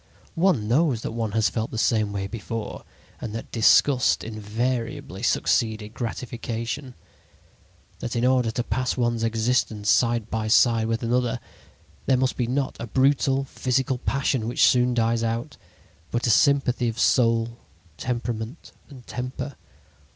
One knows that one has felt the same way before and that disgust invariably succeeded gratification; that in order to pass one's existence side by side with another there must be not a brutal, physical passion which soon dies out, but a sympathy of soul, temperament and temper.